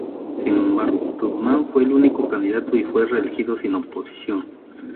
Sin embargo, Tubman fue el único candidato y fue reelegido sin oposición.